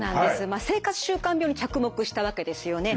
まあ生活習慣病に着目したわけですよね。